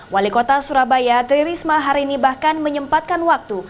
wali kota surabaya tirisma hari ini bahkan menyempatkan waktu